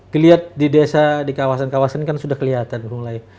kelihatan di desa di kawasan kawasan kan sudah kelihatan mulai